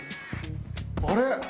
あれ？